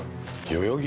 代々木？